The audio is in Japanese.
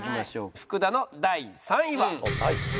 福田の第３位は。